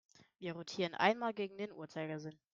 Wir rotieren einmal gegen den Uhrzeigersinn.